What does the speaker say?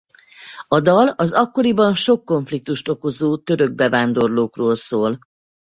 A dal az akkoriban sok konfliktust okozó török bevándorlókról szól.